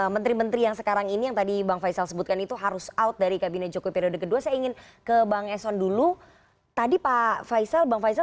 menteri menteri yang tadi widzakan harus out dari kabinet joko iqbal